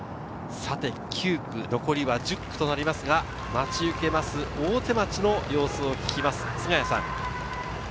９区、残りは１０区となりますが、待ち受ける大手町の様子を聞きます、菅谷さん。